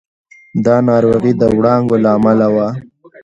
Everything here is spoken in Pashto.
دا ناروغي د وړانګو له امله وه.